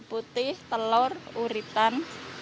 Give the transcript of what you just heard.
putih telur uritan